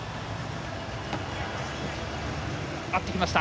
合ってきました。